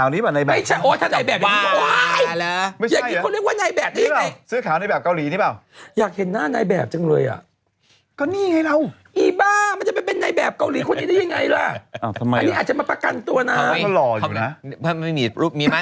ไอ้นั่นเมาอยู่ก็อยากเห็นหน้านายแบบจังเลย